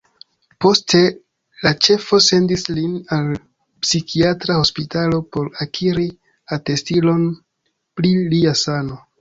Poste la ĉefo sendis lin al psikiatra hospitalo por akiri atestilon pri lia sano.